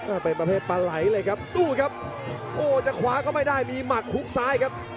เป็นประเภทปลาไหลเลยครับดูครับโอ้จะขวาก็ไม่ได้มีหมัดฮุกซ้ายครับ